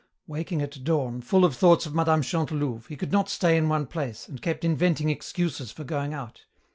Waking at dawn, full of thoughts of Mme. Chantelouve, he could not stay in one place, and kept inventing excuses for going out.